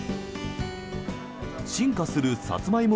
進化するサツマイモ